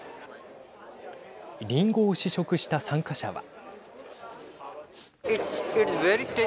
りんごを試食した参加者は。